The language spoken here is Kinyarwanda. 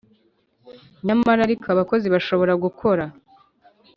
Nyamara ariko abakozi bashobora gukora